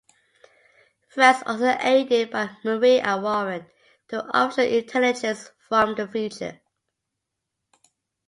Frank's also aided by Marie and Warren, two artificial intelligences from the future.